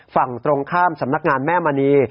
ฝั่งตรงข้ามสำนักงานแม่มณี